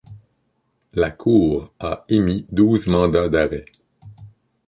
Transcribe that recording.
La Cour a émis douze mandats d'arrêt.